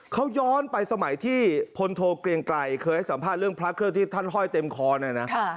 เขาย้อนไปสมัยที่พลโทเกลียงไกรเคยให้สัมภาษณ์เรื่องพระเครื่องที่ท่านห้อยเต็มคอเนี่ยนะ